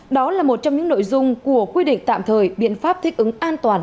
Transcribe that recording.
đó là một trong những nội dung của quy định tạm thời biện pháp thích ứng an toàn